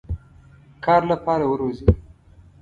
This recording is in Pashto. کار لپاره وروزی.